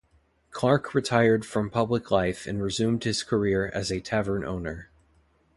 Clark retired from public life and resumed his career as a tavern owner.